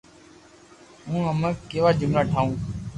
ھون ھمو ڪيوا جملا ٺاھو